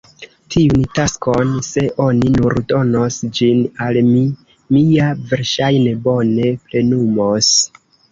Tiun taskon, se oni nur donos ĝin al mi, mi ja verŝajne bone plenumos!